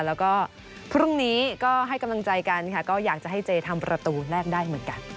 แล้วก็พรุ่งนี้ก็ให้กำลังใจกันค่ะก็อยากจะให้เจทำประตูแรกได้เหมือนกัน